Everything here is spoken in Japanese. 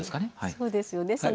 そうですよね